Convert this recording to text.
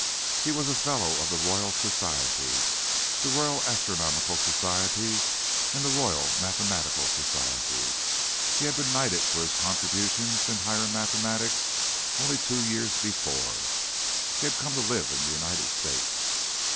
He was a Fellow of the Royal Society, the Royal Astronomical Society and the Royal Mathematical Society. He had been knighted for his contributions in higher mathematics only two years before he had come to live in the United States.